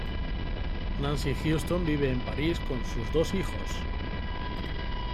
Nancy Huston vive en París con sus dos hijos.